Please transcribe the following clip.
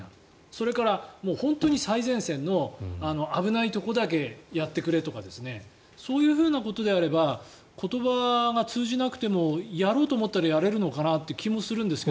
それから本当の最前線の危ないところだけやってくれとかそういうふうなことであれば言葉が通じなくてもやろうと思ったらやれるのかなという気もするんですが。